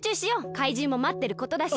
かいじんもまってることだし。